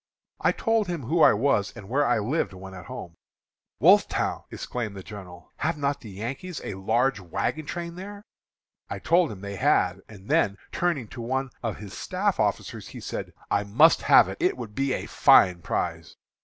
I told him who I was and where I lived when at home. 'Wolfetown!' exclaimed the general, 'have not the Yankees a large wagon train there?' I told him they had; and then, turning to one of his staff officers, he said, 'I must have it; it would be a fine prize.'